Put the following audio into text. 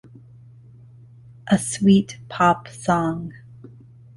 A sweet pop song.